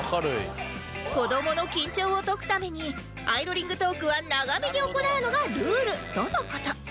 子どもの緊張を解くためにアイドリングトークは長めに行うのがルールとの事